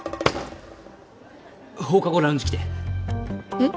放課後ラウンジ来てえっ？